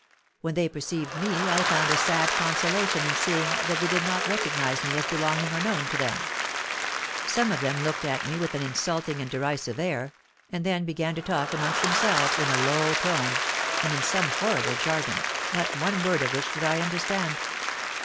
When they perceived me I found a sad consolation in seeing that they did not recognise me as belonging or known to them. Some of them looked at me with an insulting and derisive air, and then began to talk amongst themselves in a low tone, and in some horrible jargon, not one word of which did I understand.